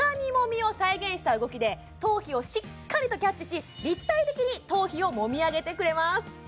揉みを再現した動きで頭皮をしっかりとキャッチし立体的に頭皮を揉み上げてくれます